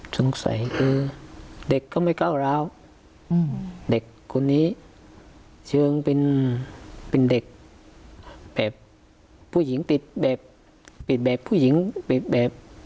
สงสัยคือเด็กก็ไม่เก้าแล้วเด็กคนนี้จึงเป็นเด็กแบบผู้หญิงติดแบบ